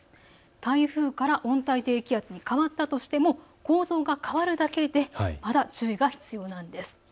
台風から温帯低気圧に変わったとしても構造が変わるだけでまだ注意が必要です。